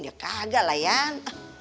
ya kagak lah yan